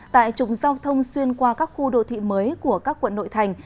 tại trục giao thông xuyên qua các khu đô thị mới của các quận nội thành